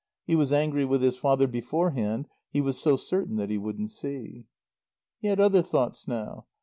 He was angry with his father beforehand, he was so certain that he wouldn't see. He had other thoughts now.